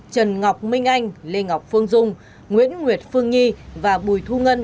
trần ngọc minh anh lê ngọc phương dung nguyễn nguyệt phương nhi và bùi thu ngân